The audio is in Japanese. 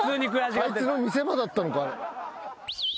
あいつの見せ場だったのか。